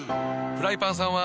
フライパンさんは。